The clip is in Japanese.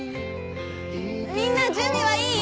みんな準備はいい？